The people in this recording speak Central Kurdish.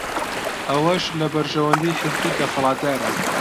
ئەوەش لە بەرژەوەندیی حیزبی دەسەڵاتدارە